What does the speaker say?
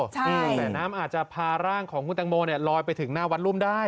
แต่น้ำอาจจะพาร่างของคุณตังโมเนี่ยลอยไปถึงหน้าวัดรุ่มได้